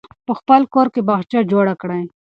په خپل کور کې باغچه جوړه کړئ.